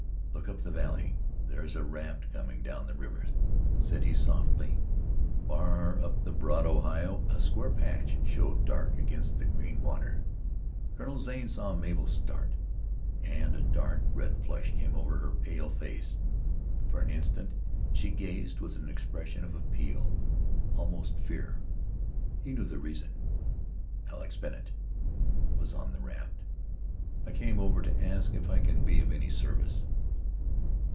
"Look up the valley. There's a raft coming down the river," said he softly. Far up the broad Ohio a square patch showed dark against the green water. Colonel Zane saw Mabel start, and a dark red flush came over her pale face. For an instant she gazed with an expression of appeal, almost fear. He knew the reason. Alex Bennet was on that raft. "I came over to ask if I can be of any service?"